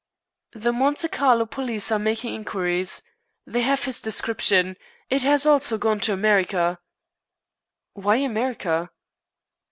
"The Monte Carlo police are making inquiries. They have his description. It has also gone to America." "Why America?"